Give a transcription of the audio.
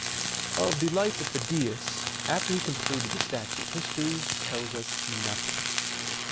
Of the life of Phidias, after he completed the statue, history tells us nothing.